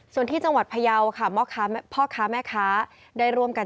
ส่วนที่จังหวัดพยาวค่ะพ่อค้าแม่ค้าได้ร่วมกัน